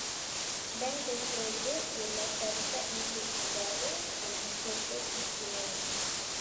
Bank tersebut ialah syarikat milik negara dengan status istimewa